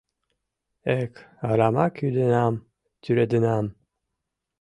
Эк, арамак ӱденам, тӱредынам.